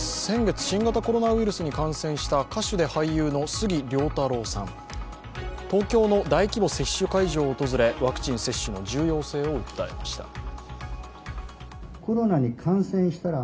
先月新型コロナウイルスに感染した歌手で俳優の杉良太郎さん、東京の大規模接種会場を訪れ、ワクチン接種の重要性を訴えました。